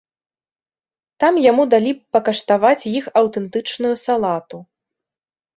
Там яму далі пакаштаваць іх аўтэнтычную салату.